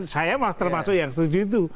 saya termasuk yang setuju itu